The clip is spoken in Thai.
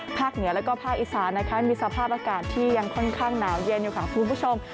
ภาคเหนือและภาคอีสานมีสภาพอากาศที่ยังค่อนข้างหนาวเย็นอยู่ข้างทุกผู้ชม